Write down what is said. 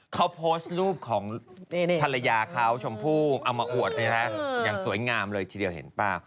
เขาโพสต์รูปของภรรยาเขาชมพู่เอามาอวดอย่างสวยงามเลยทีเดียวเห็นป่ะ